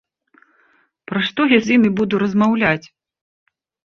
Пра што я з імі буду размаўляць?